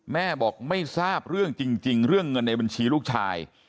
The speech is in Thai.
แม่บอกไม่ทราบเรื่องจริงเรื่องเงินในบัญชีลูกชาย